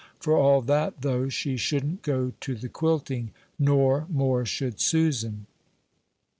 For all that, though, she shouldn't go to the quilting; nor, more, should Susan."